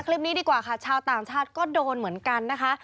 ดีกว่าค่ะชาวต่างชาติก็โดนเหมือนกันนะคะ